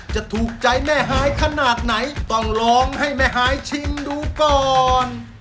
จะถูกใจแม่หายขนาดไหนต้องลองให้แม่หายชิมดูก่อน